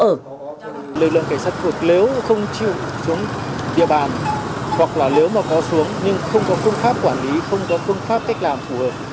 lực lượng cảnh sát thuộc nếu không chịu xuống địa bàn hoặc là nếu mà có xuống nhưng không có phương pháp quản lý không có phương pháp cách làm của họ